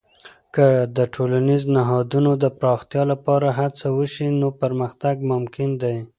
که د ټولنیزو نهادونو د پراختیا لپاره هڅه وسي، نو پرمختګ ممکن دی.